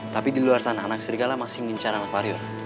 tapi di luar sana anak serigala masih ngincar anak pariur